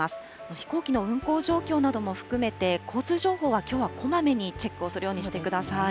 飛行機の運航状況なども含めて、交通情報はきょうはこまめにチェックをするようにしてください。